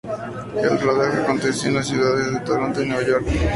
El rodaje aconteció en las ciudades de Toronto y Nueva York.